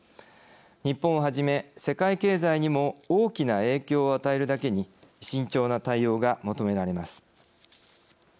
日本をはじめ世界経済にも大きな影響を与えるだけに慎重な対応が求められます。